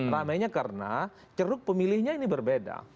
ramainya karena ceruk pemilihnya ini berbeda